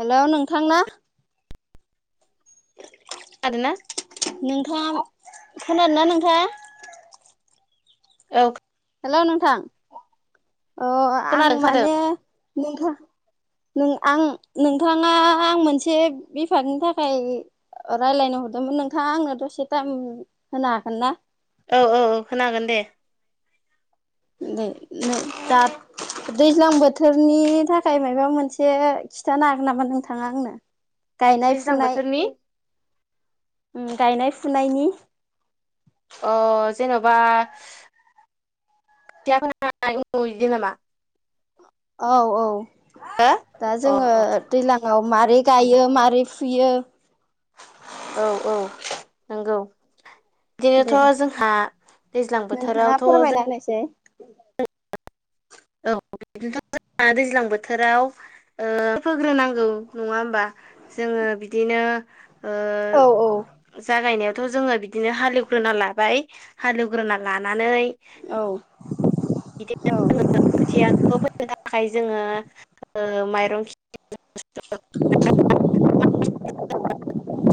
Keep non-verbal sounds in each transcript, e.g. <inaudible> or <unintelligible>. हेल' नोंथां ना आरो ना नोंथाङ खोनादों ना नोंथाङा औ हेलौ नोंथां अ आं खोनादों खोनादों माने नोंथां नों आं नोंथाङा आं मोनसे बेफारनि थाखाय रायज्लायनो हरदोंमोन नोंथाङा आंनो दसे टाइम होनो हागोन ना औ औ औ खोनागोन दे नै दा दैज्लां बोथोरनि थाखाय माबा मोनसे खिथानो हागोन नामा नों थाङा आंनो गायनाय दस फुनाय थांबोथारनि गायनाय फुनायनि अ जेन'बा <unintelligible> बिदि नामा औ औ हो दा अ जोङो अ दैज्लाङाव मारोरै गायो मारै फुयो औ औ नंगौ दे बिदिनोथ' जोंहा दैज्लां बोथोरावथ' जों नायसे औ बिदिनोथ' जोंा दैज्लां बोथोराव ओ फोग्रोनांगौ नङा होमबा जोङो बिदिनो औ औ जागायनायावथ' जोङो बिदिनो हालेवग्रोना लाबाय हालेवग्रोना लानानै औ बिदिनो जोङ खोथियाखौ फैनो थाखाय जोङो माइरं खि <inaudible> <inaudible>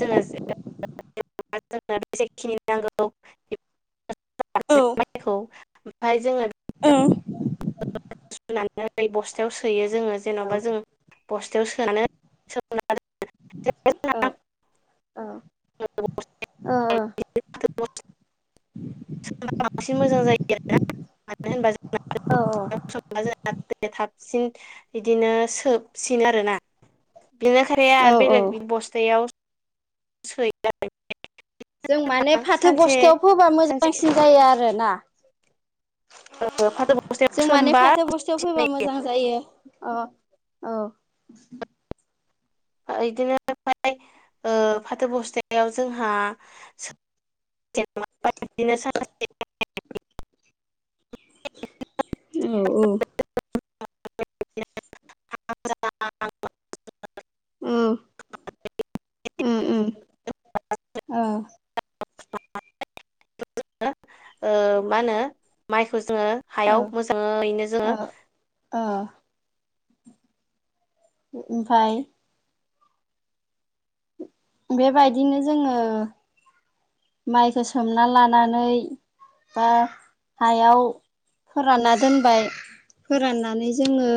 जोङो जों बे जेखिनि नांगौ मफ्राय जोङो सुनानै बस्थायाव सोयो जोङो जेन'बा जों बस्थायाव सोनानै सोमना <inaudible> <inaudible> अ सा बांसिन मोजां जायो आरोना मानो होनबा जों सबा जोंहाै थाबसिन बिदिनो सोबसिन आरोोना बेनोखाय औ आरो औ बेलेग बस्थायाव सै जों माने फाथो सानसे बस्थायाव फोबा सानसे मोजांसिन जायो आरोना फाथो बस्थायाव जों माने सोमबा फाथो बस्थुाव फैबा मोजां जायो अ औ बिदिनो मफ्राय फाथो बस्थायाव जोंहा जेनेबा बायदिनो उम औ <inaudible> औ अ मा होनो माइखौ जोङो हायाव मोजाङैनो जोङो अ ओमफफ्राय बेबायदिनो जोङो माइखौ सोमना लानानै बा हायाव फोरानना दोनबाय फोराननानै जोङो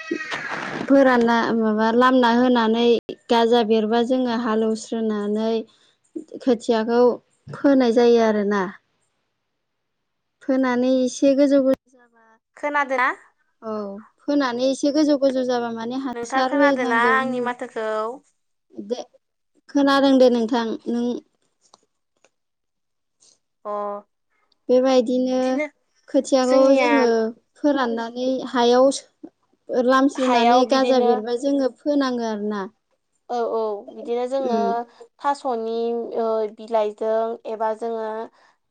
<inaudible> फोरानना माबा लामना होनानै गाजा बेरबा जोङो हालेवस्रोनानै खोथियाखौ फोनाय जायो आरोोना फोनानै एसे गोजौ गोजौ जाबा खोनादोंा औ फोनानै एसे गोजौ गोजौ जाबा माने नोंथां हासार खोनादोंना होनांगौ आंनि म माथोखौ दे खोनादों दे नोंथां नों अ बेबायदिनो बिदिनो खोथियाखौ जोंनिया जोङो फोराननानै हायाव हायाव लामस्रोनानै गाजा बिदिनो बेरबा जोङो फोनाङो आरो ना औ औ बिदिनो जोङो थास'निओ बिलाइजों एबा जोङो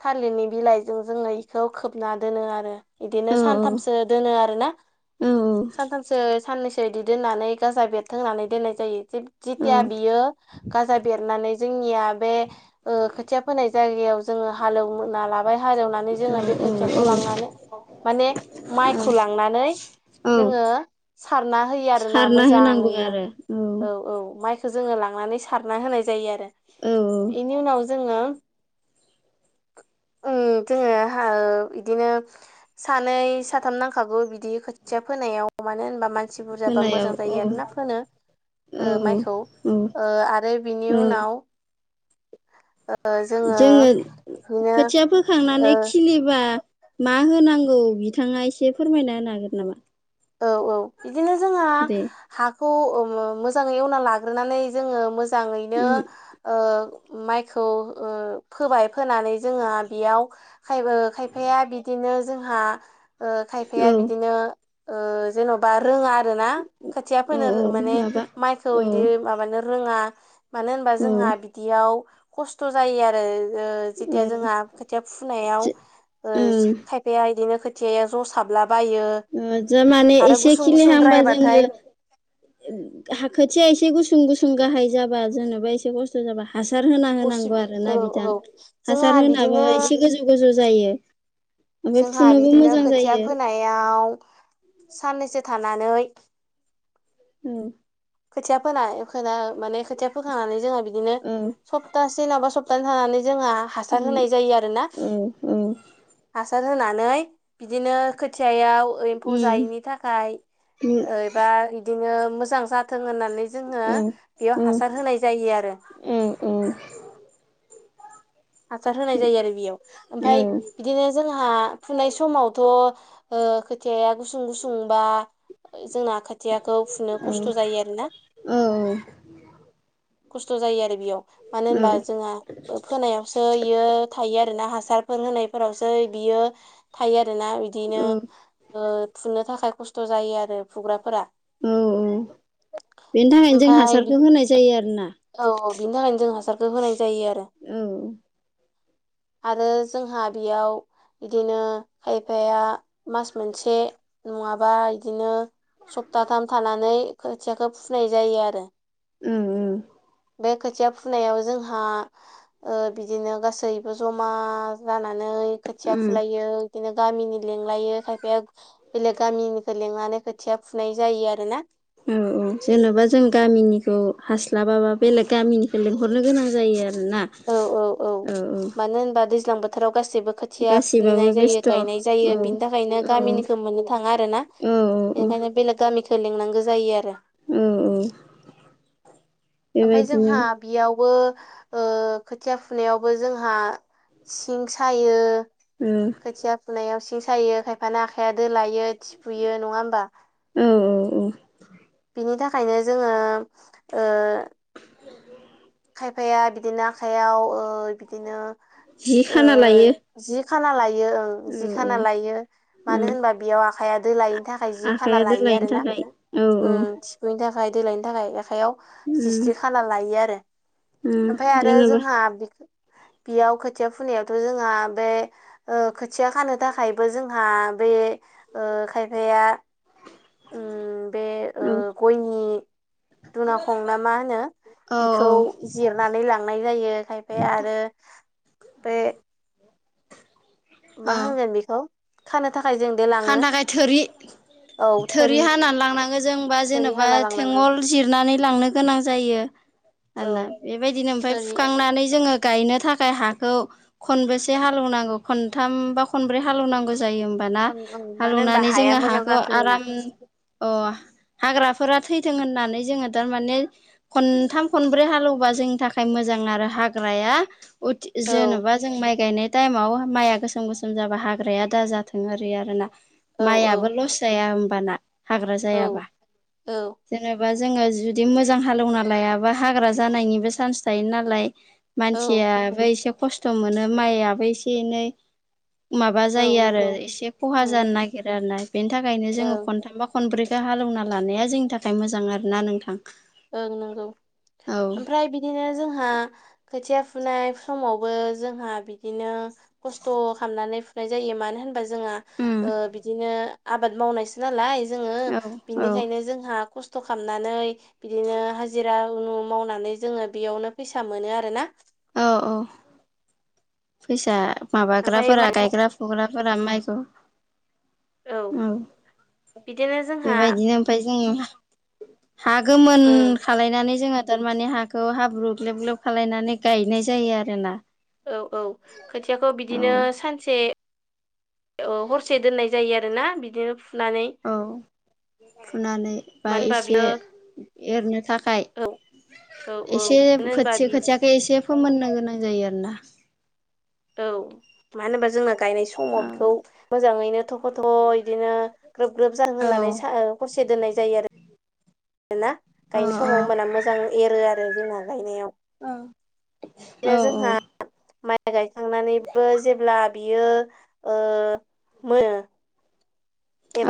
थालिरनि बिलाइजों जोङो बेखौ खोबना दोनो आरो बिदिनो औ सानथामसो दोनो आरो ना औ सानथामसो साननैसो बिदि दोननानै गाजा बेर थोंनानै दोननाय जायो औ जेथिया बियो गाजा बेरनानै जोंनिया बे खोथिया फोनाय जायगायाव जोङो हालेवना लाबाय हालेवनानै जोङो बे खोथियाखौ औ लांनानै माने औ माइखौ लांनानै औ जोङो सारना होयो आरोना सारना होनांगौ मोजाङैनो आरो औ औ माइखौ जोङो लांनानै सारना होनाय जायो आरो औ बेनि उनाव जोङो जोङो बिदिनो <inaudible> सानै साथाम नांखागौ बिदि खोथिया फोनायाव मानो होनबा म मानसि बुरजाबा फोनायाव मोजां औ जायो आरोना फोनो। औ ओ माइखौ औ आरो ओ बिनि औ उनाव ज <unintelligible> जोङो खोथिया फोखांनानै ओ खिलिबा मा होनांगौ बिथाङा एसे फोरमायना होनो हागोन नामा औ औ बिदिनो जोंहा दे हाखौ मोजाङै एवना लाग्रोनानै जोङो मोजाङैनो उम ओ माइखौ फोबाय फोनानै जोङहा बेयाव खाय खायफाया बिदिनो जोंहा ओ खायफाया औ बिदिनो ओ जेन'बा रोङा आरो ना खोथिया औ औ फैोनो माने माबा माइखौ औ इदि माबानो रोङा मानो होनबा औ जोंहा बिदियाव खस्थ' जायो आरो ओ जेथिया औ जोंहा खोथिया फुनायाव ओ खायफाया बिदिनो खोथियाया जसाबलाबायो ओ ज माने एसे खिलिहांबा जोङो। खोथिया एसे गुसुं गुसुं गाहाय जाबा जेन'बा एसे खस्थ' जाबा हासार होना उसु होनांगौ औ आरोना औ बिथां जोंहा हासार बिदिनो होनाबो एसे गोजौ गोजौ जायो ओमफफ्राय जोंहा फुनोबो बिदिनो मोजां खोथिया जायो‌। साननैसो थानानै <inaudible> औ खोथिया फोना खोना माने खोथिया फोखांनानै जोंहा बिदिनो औ सप्तासे नाबा सप्ताहसे थानानै जोंहा हासार उम होनाय जायो आरोना औ औ हासार होनानै बिदिनो खोथियायाव एम्फौ उम जायैनि औ थाखायबा बिदिनो मोजां जाथों होननानै जोङो औ बेयाव औ हासार होनाय जायो आरो औ हासार होनाय जायो आरो बेयाव ओमफफ्राय बिदिनो जोंहा फुनाय समावथ' ओ खोथिा गुसुं गुसुं बा जोंना खाोथियाखौ फुनो खस्थ' जायो आरोना द <unintelligible> खस्थ' जायो आरो बेयाव मानो औ होनबा जोंहा फोनायाव बियो थायो आरो ना हासारफोर होनायफोरावसो बियो थायो आरोना बिदिनो औ ओ‌फुननो थाखाय खस्थ' जायो आरो फुग्राफोरा औ औ बेनि थाखायनो जों ओमफाय हासारखौ होनाय जायो आरोना औ औ बिनि थाखायनो जों हासारखौ होनाय जायो आरो औ आरो जोंहा बेयाव बिदिनो खायफाया मास मोनसे नङाबा बिदिनो सप्ताथाम थानानै खोथियाखौ फुनाय जायो आरो उम उम बे खोथिया फुनायाव जोंहा ओ बिदिनो गासैबो जमा जानानै खोथिया उम फुलायो बिदिनो गामिनि लिंलायो खायफाया बेलेग गामिनिखौ लिंनानै खोथिया फुनाय जायो आरो ना औ औ जेनबा जों गामिनिखौ हास्लाबाबा बेलेग गामिनिखौ लिंहरनो गोनां जायो आरोना औ औ औ मानो होनबा दैज्लां बोथोराव गाससिबो खो- खोथिया गासिबाबो फुहैनाय जायो बेस्थ' औ गायनाय जायो बिनि थाखायनो औ गामिनिखौ मोननो थाङा आरो ना औ औ बेनिखायनो बेलेग गामिखौ लिंनांगौ जायो आरो औ औ ओमफ्राय बेबायदिनो जोंहा बेयावबो ओ खोथिया फुनायावबो जोंहा सिं सायो उम खोथिया फुनायाव सिं सायो खायफाना आखाइया दोलायो थिफुयो नङा होमबा औ औ औ बिनि थाखायनो जोङो ओ <inaudible> खायफाया बिदिनो आखाइयाव ओ बिदिनो जि ओ खाना लायो जि खाना लायो ओं औ जि औ खाना लायो उम मानो होनबा बेयाव आखाइआ दोलायैनि थाखाय जि आखाइया खाना लायो दोलायनो आरोना थाखाय औ औ उम थिफुयिनि थाखाय दोलायिनि थाखाय आखाइायाव उम जिस्रि खाना लायो आरो उम ओमफ्राय आरो जेनेबा जोंहा बेयाव खोथिया फुनायावथ' जोंहा बे स ओ खोथिया खानो थाखायबो जोंहा बे ओ खायफाया उम बे ओ औ गयनि दुनाखं ना मा होनो औ बिखौ औ जिरनानै लांनाय जायो खायफाया आरो बे मा होनगोन बेखौ खानो थाखाय जों दे लाङो खानो थाखाय थोरि थोरि हाना लांनांगौ जों बा थोरि जेनेबा हाना लांनांगौ थेंगल जिरनानै लांनो गोनां जायो औ आरोना बेबायदिनो ओमफ्राय थोरि फुखांनानै जोङो गायनो थाखाय हाखौ खनबेसे हालौवनांगौ खनथाम बा खनब्रै हालेवनांगौ जायो होमबाना ओं ओं मानो होनबा हालौनानै हाया जोङो मोजां हाखौ जाथों होनना आराम अ हाग्राफोरा थैथों होननानै जोङो थारमाने खनथाम खनब्रै हालेवबा जोंनि थाखाय मोजां आरो हाग्राया उथ औ जेनबा जों माइ गायनाय टाइमाव माइआ गोसोम गोसोम जाबा हाग्राया दाजाथों आरो आरो ना औ माइआबो लस जाया होनबाना हाग्रा औ जायाबा औ जेनेबा जोङो जुदि मोजां हालेवना लायाबा हाग्रा जानायनिबो चान्स थायो नालाय औ मानसियाबो एसे खस्थ मोनो माइयाबो एसे एनै माबा औ जायो आरो नंगौ एसे खहा नंगौ जानो नागिरो आरोना बेनि थाखायनो जोङो ओं खन थामबा खनब्रैखौ हालेवना लानाया जोंनि थाखाय मोजां आरो ना नोंथां ओं नंगौ औ ओमफ्राय बिदिनो जोंहा खोथिया फुनाय समावबो जोंहा बिदिनो खस्थ खालामनानै फुनाय जायो मानो होनबा जोंहा उम ओ बिदिनो आबाद मावनायसो नालाय जोङो औ औ बिनिखायनो जोंहा खस्थ खालामनानै बिदिनो हाजिरा <unintelligible> मावनानै जोङो बेयावनो फैसा मोनो आरोना औ औ फैसा ओमफ्राय माबाग्राफोरा माइ गायग्रा फुग्राफोरा माइखौ औ औ बिदिनो जोंहा बेबायदिनो ओमफफ्राय जोङो हा गोमोन उम खालायनानै जोङो थारमाने हाखौ हाब्रु ग्लेब ग्लेब खालायनानै गायनाय जायो आरो ना। औ औ खोथियाखौ बिदिनो सानसे ओ हरसे दोननाय जायो आरोना बिदिनो फुनानै। औ फुनानै बा मानो होनबा एसे बियो एरनो थाखाय औ औ एसे मानो होनबा खोथि बि खोथियाखौ एसे फोमोननो गोनां जायो आरोना औ मानो होनबा जोंना गायनाय समाव औ बेखौ मोजाङैनो थख' थख' इदिनो ग्रोब ग्रोब जाहोन होननानै स हरसे दोननाय जायो आरो <unintelligible> औ गायनाय समाव होमबाना मोजां एरो आरो जोंना गायनायाव औ बिदिनो औ औ। जोंहा माइ गायखांनानैबो जेब्ला बियो ओ मोनो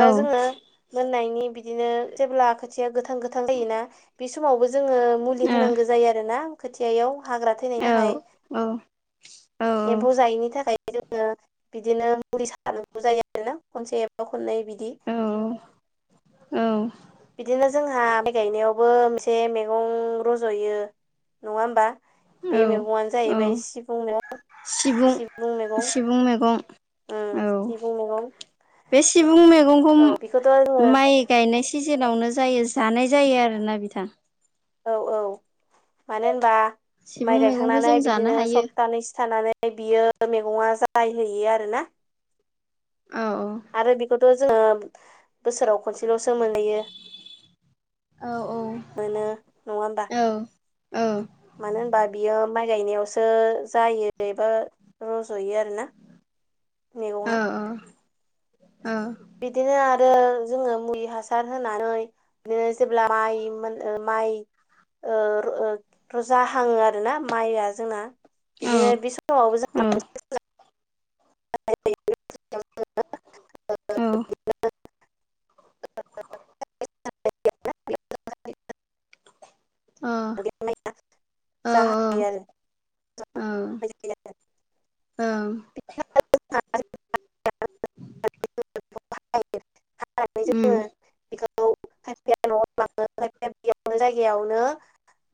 औ जोङो मोननायनि बिदिनो जेब्ला आ खोथिया गोथां गोथां जायोना बे समावबो जोङो मुलि होनांगौ जायो आरो ना खोथियायाव हाग्रा थैनायनि थाखाय। औ। एम्फौ जायैनि थाखाय जोङो बिदिनो मुलि सारनांगौ जायो आरोना खनसे एबा खननै बिदि। औ औ। बिदिनो जोंहा माइ गायनायावबो मोनसे मैगं रज'यो। नङा होमबा बे मैगंआनो औ औ जाहैबाय सिबुं मेगं सिबुं मैगं। बुं मेगं। उम सिबुं मेगं। बे सिबुं मैगंखौ जोङो माइ गायनाय सिजोनावनो जायो जानाय जायो आरोना बिथां। औ औ मानो होनबा सिबुं माइ मैगंखौ गायखांनानै जों जानो बिदिनो हायो सप्तानैसो थानानै ओमफ्राय बियो मैगङा जायहैयो आरो ना। औ औ। आरो बेखौथ' जोङो बोसोराव खनसेल'सो मोनहैयो। औ औ मोनो नङा होमबा? ओ। मानो होनबा बियो माइ गायनायावसो जायो एबा रज'यो आरो ना। अ अ अ। बिदिनो आरो जोङो मुलि हासार होनानै बिदि जेब्ला माइ मोन माइ ओ र रजाहाङो आरोना माइआ जोंना बिदिनो बे समावबो जों उम्म। औ। <inaudible> अ माइया औ औ जाहायो आरो औ। ओं। <inaudible> उम्म। बेखौ खायफाया न'आव लाङो खायफाया बेयावनो जायगायावनो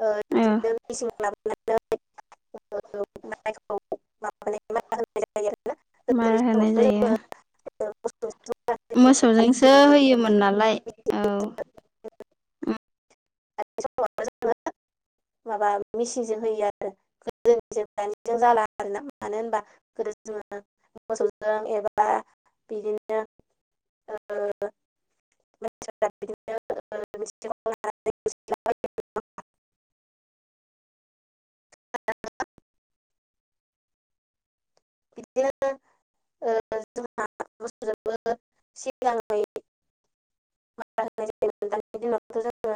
ओ बिदिनो <inaudible> माइखौ <inaudible> होनाय जायो आरोना मार गोदोनि होनाय समावथ' जायो। <inaudible> मोसौजोंसो होयोमोन नालाय औ। दानि समाव जोङो ज माबा मेचिनजों होयो आरो। गोदोनिजों दानिजों जाला आरोना मानो होनबा गोदो जोङो मोसौजों एबा बिदिनो ओ <unintelligible> <unintelligible> बिदिनो ओ जोंहा बोसोरबो <unintelligible> दानि दिनावथ' जों